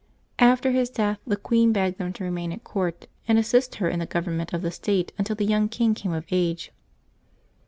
After his death the queen begged them to remain at court, and assist her in the government of the state until the young king came of age.